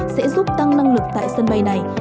sẽ giúp tăng năng lực tại sân bay này